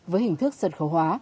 với hình thức sân khấu hóa